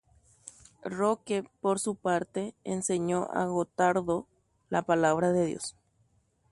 Roque katu omboʼémi Gottardope Ñandejára ñeʼẽ.